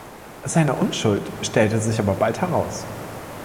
Seine Unschuld stellte sich aber bald heraus.